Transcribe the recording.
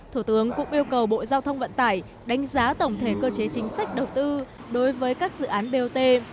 thủ tướng cũng yêu cầu bộ giao thông vận tải đánh giá tổng thể cơ chế chính sách đầu tư đối với các dự án bot